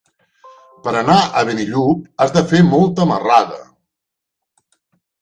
Per anar a Benillup has de fer molta marrada.